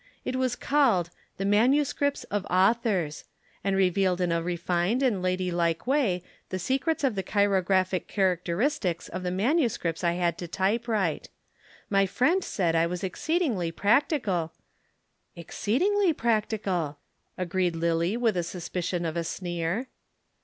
It was called 'The Manuscripts of Authors,' and revealed in a refined and ladylike way the secrets of the chirographic characteristics of the manuscripts I had to type write. My friend said I was exceedingly practical " "Exceedingly practical," agreed Lillie with a suspicion of a sneer.